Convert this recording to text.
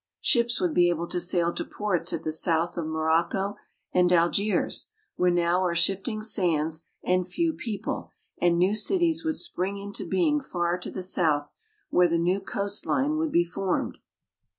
Ships would be able to sail to ports at the south of Morocco and Algiers where now are shifting sands and few people, and new cities would spring into being far to the south where the new coast line would be formed.